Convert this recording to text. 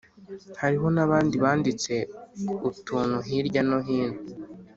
hariho nabandi banditse utuntu hirya no hino